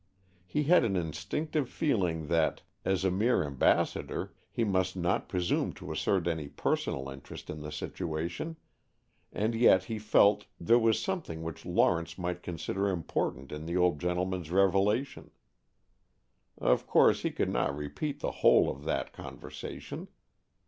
He had an instinctive feeling that, as a mere ambassador, he must not presume to assert any personal interest in the situation, and yet he felt there was something which Lawrence might consider important in the old gentleman's revelation. Of course he could not repeat the whole of that conversation!